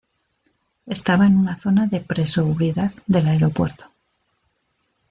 Estaba en una zona de pre-seguridad del aeropuerto.